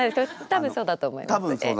多分そうだと思います。